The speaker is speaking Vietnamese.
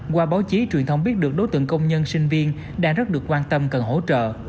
qua báo chí truyền thông biết được đối tượng công nhân sinh viên đang rất được quan tâm cần hỗ trợ